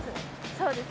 そうです。